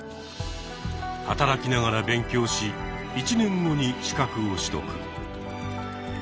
働きながら勉強し１年後に資格を取得。